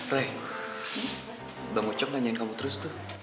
rai bang ucok nanyain kamu terus tuh